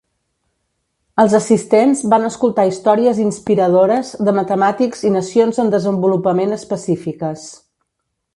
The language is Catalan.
Els assistents van escoltar històries inspiradores de matemàtics i nacions en desenvolupament específiques.